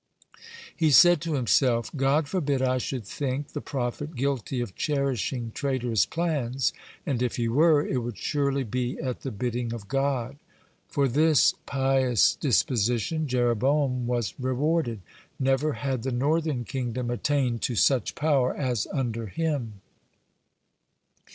He said to himself: "God forbid I should think the prophet guilty of cherishing traitorous plans, and if he were, it would surely be at the bidding of God." (26) For this pious disposition Jeroboam was rewarded; never had the northern kingdom attained to such power as under him.